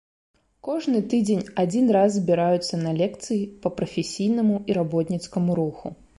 Кожны тыдзень адзін раз збіраюцца на лекцыі па прафесійнаму і работніцкаму руху.